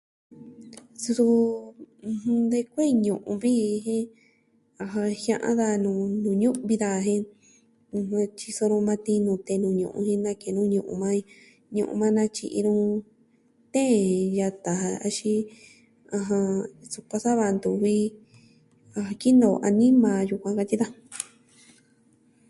Suu, de kue'i ñu'un vi ji. Ajan jia'an daja nuu ñu'vi daja jen tyiso nu maa ti'in nute nuu ñu'un jin nake'en nu ñu'un maa ii. Ñu'un maa na tyi'i nu jen yata ja axin sukuan sava ntuvi kinoo anima yukuan, katyi daja.